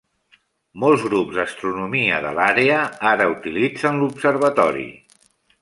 Molts grups d'astronomia de l'àrea ara utilitzen l'observatori.